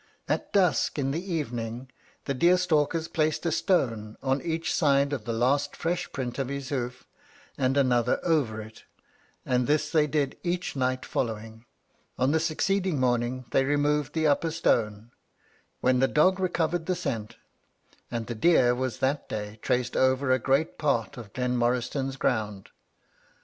At dusk in the evening the deer stalkers placed a stone on each side of the last fresh print of his hoof, and another over it; and this they did each night following. On the succeeding morning they removed the upper stone, when the dog recovered the scent, and the deer was that day traced over a great part of Glenmoriston's ground.